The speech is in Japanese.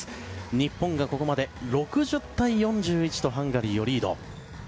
日本がここまで６０対４１とハンガリーをリード。